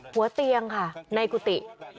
หัวเตียงค่ะในกุฏิ